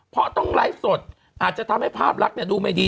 เพราะต้องไลฟ์สดอาจจะทำให้ภาพลักษณ์ดูไม่ดี